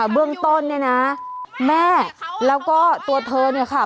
เบื้องต้นเนี่ยนะแม่แล้วก็ตัวเธอเนี่ยค่ะ